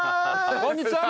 こんにちは！